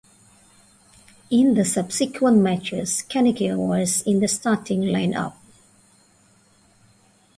In the subsequent matches, Caniggia was in the starting lineup.